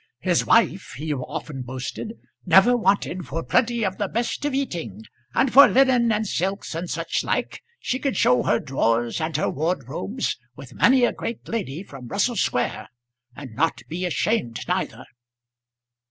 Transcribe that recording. "His wife," he often boasted, "never wanted for plenty of the best of eating; and for linen and silks and such like, she could show her drawers and her wardrobes with many a great lady from Russell Square, and not be ashamed, neither!"